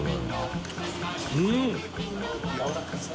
うん！